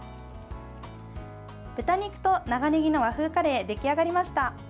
豚肉と長ねぎの和風カレー出来上がりました。